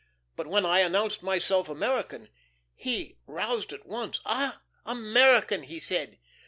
But when I announced myself American, he roused at once. "'Ah, American,' he said.